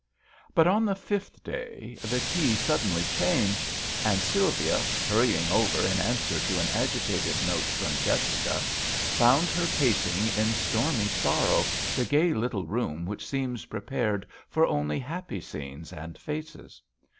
But on the fifth day the key suddenly changedi and Sylvia, THE VIOLIN OBBLIGATO. 85 hunying over in answer to an agitated note from Jessica, found her pacing in stormy sorrow the gay little room which seemed prepared for only happy scenes and faces.